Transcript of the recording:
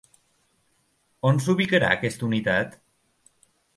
On s'ubicarà aquesta unitat?